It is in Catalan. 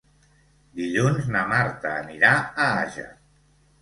Dilluns na Marta anirà a Àger.